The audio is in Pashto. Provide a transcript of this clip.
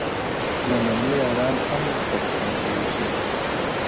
o ننني ياران هم نه ســره خـــنــــــــديــــږي ـ